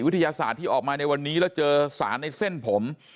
วิทยาศาสตร์ที่ออกมาในวันนี้แล้วเจอสารในเส้นผม